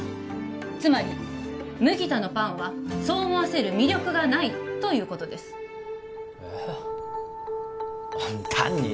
つまり麦田のパンはそう思わせる魅力がないということですえっ？